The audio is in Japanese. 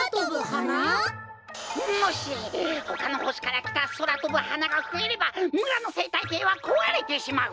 もしほかのほしからきたそらとぶはながふえればむらのせいたいけいはこわれてしまう。